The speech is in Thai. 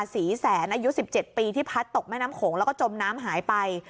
ศรีแสนอายุ๑๗ปีที่พัดตกแม่น้ำโขงแล้วก็จมน้ำหายไป